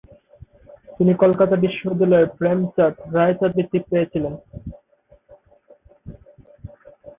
তিনি কলকাতা বিশ্ববিদ্যালয়ের প্রেমচাঁদ-রায়চাঁদ বৃত্তি পেয়েছিলেন।